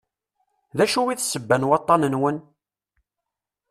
D acu i d ssebba n waṭṭan-nwen?